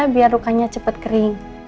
biar rukanya cepat kering